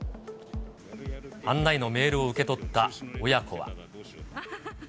案内のメールを受け取った親子は。